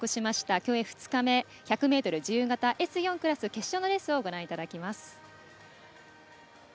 競泳２日目１００ｍ自由形Ｓ４クラス決勝のレースをご覧いただきます。